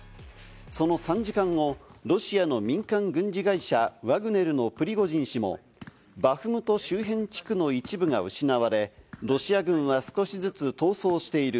その３時間後、ロシアの民間軍事会社ワグネルのプリゴジン氏もバフムト周辺地区の一部が失われ、ロシア軍は少しずつ逃走している。